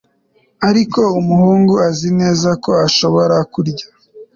ariko umuhungu azi neza ko ashobora kurya